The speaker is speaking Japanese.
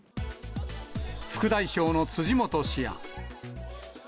副代表の辻元氏や。